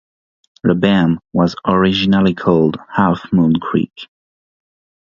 Lebam was originally called Half Moon Creek.